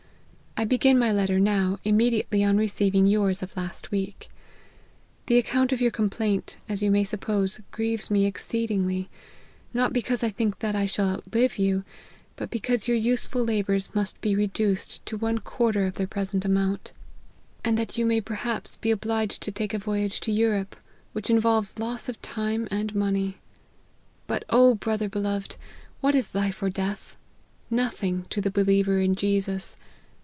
I begin my letter, now, immediately on receiving yours of last week. T^he account of your com plaint, as you may suppose, grieves me exceed ingly ; not because I think that I shall outlive you, but because your useful labours must be reduced to one quarter of their present amount ; and that you L 122 LIFE OF HENRY MARTYN. may perhaps be obliged to take a voyage to E irope, which involves loss of time and money. But, O brother beloved ! what is life or death ? Nothing, to the believer in Jesus.